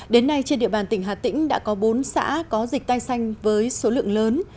đến nay trên địa bàn tỉnh hà tĩnh đã có bốn xã có dịch tai xanh với số lượng lớn